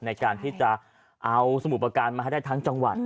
ในการที่จะเอาสมุทรประการมาให้ได้ทั้งจังหวัด